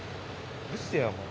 うるせえわもう。